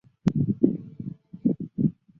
父宁阳侯陈懋。